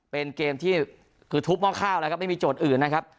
เป็นเกมที่คือทุบหม้อข้าวแล้วครับไม่มีโจทย์อื่นนะครับ